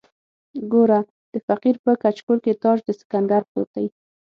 ګوره د فقیر په کچکول کې تاج د سکندر پروت دی.